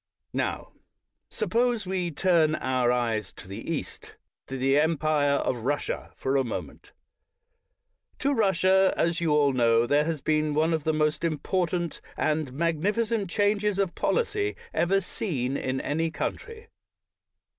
Now, suppose we turn our eyes to the East, to the empire of Russia, for a moment. In Russia, as you all know, there has been one of the most important and magnificent changes of policy ever seen in any country.